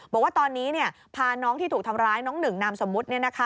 บอกว่าตอนนี้พาน้องที่ถูกทำร้ายน้องหนึ่งนามสมมุติ